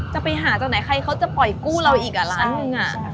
จะไปหาจากไหนใครเขาจะปล่อยกู้เราอีกอ่ะล้านหนึ่ง